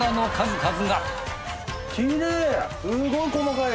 すごい細かい。